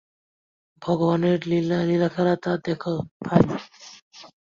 ভগবানের লীলাখেলা তো দেখ, ভাই।